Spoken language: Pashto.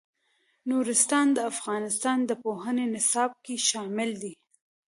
نورستان د افغانستان د پوهنې نصاب کې شامل دي.